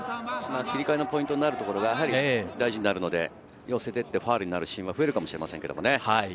切り替えのポイントになるところが大事になるので、寄せていってファウルになるシーンは増えるかもしれませんね。